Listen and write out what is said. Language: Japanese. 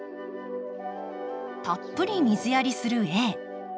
たっぷり水やりするＡ。